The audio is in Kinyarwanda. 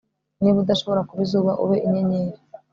niba udashobora kuba izuba ube inyenyeri